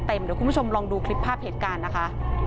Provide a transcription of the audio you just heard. เดี๋ยวคุณผู้ชมลองดูคลิปภาพเหตุการณ์นะคะ